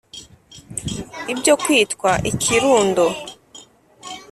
Ibyo kwitwa ikirumbo